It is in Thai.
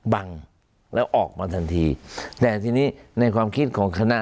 บังแล้วออกมาทันทีแต่ทีนี้ในความคิดของคณะ